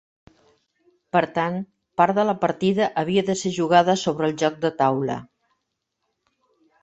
Per tant, part de la partida havia de ser jugada sobre el joc de taula.